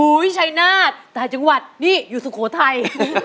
ชัยนาฏต่างจังหวัดนี่อยู่สุโขทัย